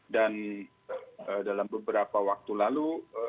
dan dalam beberapa waktu lalu